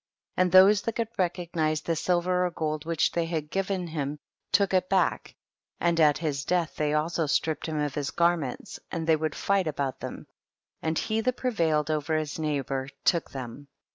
9. And those that could recognize the silver or gold which they had given him took it back, and at his death they also stripped him of his garments, and they would fight about them, and he diat prevailed over his neighbor took them.